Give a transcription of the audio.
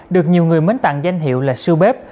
được nhiều người mến tặng danh hiệu là siêu bếp